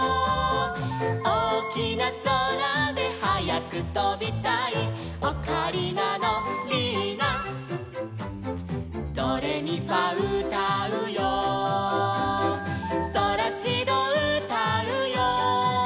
「おおきなそらではやくとびたい」「オカリナのリーナ」「ドレミファうたうよ」「ソラシドうたうよ」